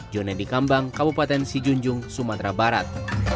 jone di kambang kabupaten sijunjung sumatera barat